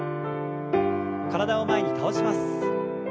体を前に倒します。